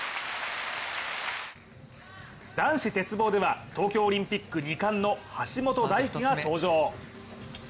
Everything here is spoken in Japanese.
男子鉄棒では、東京オリンピック二冠の橋本大輝が登場。